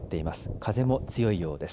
風も強いようです。